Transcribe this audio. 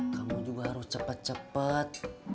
kamu juga harus cepet cepet